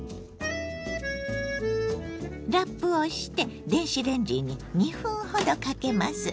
ラップをして電子レンジに２分ほどかけます。